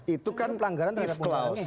itu kan if clause